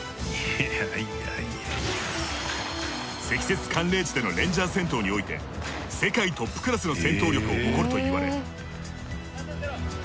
積雪寒冷地でのレンジャー戦闘において世界トップクラスの戦闘力を誇るといわれ。